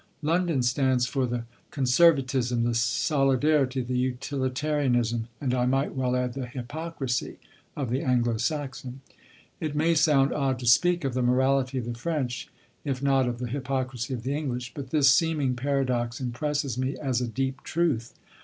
London stands for the conservatism, the solidarity, the utilitarianism, and, I might well add, the hypocrisy of the Anglo Saxon. It may sound odd to speak of the morality of the French, if not of the hypocrisy of the English; but this seeming paradox impresses me as a deep truth.